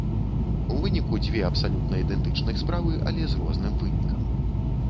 У выніку дзве абсалютна ідэнтычных справы, але з розным вынікам.